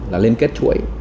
là liên kết chuỗi